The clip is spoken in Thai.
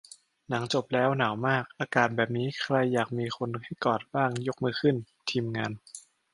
หนังจบแล้ว หนาวมาก อากาศแบบนี้ ใครอยากมีคนให้กอดบ้าง ยกมือขึ้น ทีมงาน